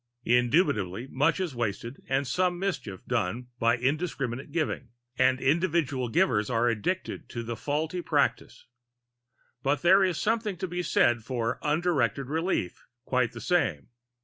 Indubitably much is wasted and some mischief done by indiscriminate giving and individual givers are addicted to that faulty practice. But there is something to be said for "undirected relief" quite the same.